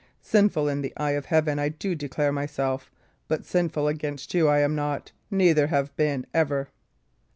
Sinful in the eye of Heaven I do declare myself; but sinful as against you I am not, neither have been ever."